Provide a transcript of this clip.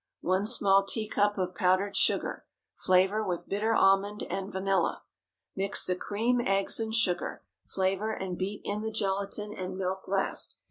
1 small teacup of powdered sugar. Flavor with bitter almond and vanilla. Mix the cream, eggs, and sugar; flavor, and beat in the gelatine and milk last.